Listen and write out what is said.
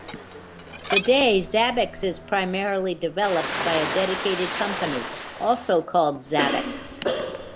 Today, Zabbix is primarily developed by a dedicated company, also called Zabbix.